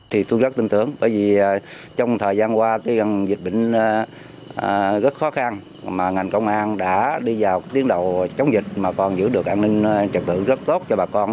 thì tôi rất tin tưởng bởi vì trong thời gian qua dịch bệnh rất khó khăn mà ngành công an đã đi vào tiến đầu chống dịch mà còn giữ được an ninh trật tự rất tốt cho bà con